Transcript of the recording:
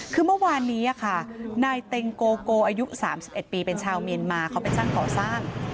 คือเมื่อวานนี้ค่ะนายเต็งโกโกอายุ๓๑ปีเป็นชาวเมียนมาเขาเป็นช่างก่อสร้าง